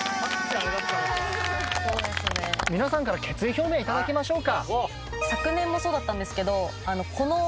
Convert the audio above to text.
皆さんから決意表明頂きましょうか。